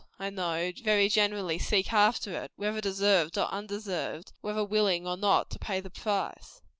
I know, very generally seek after it, whether deserved or undeserved; and whether willing or not to pay the price.